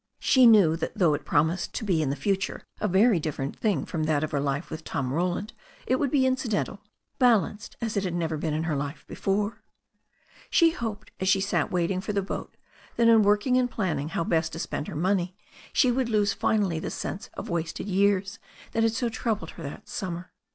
She knew that though it promised to be in the future a very different thing from that of her life with Tom Roland, it would be incidental, balanced as it had never been in her life before. She hoped as she sat waiting for the boat that in work ing and planning how best to spend her money she would lose finally the sense of wasted years that had so troubled her that summer.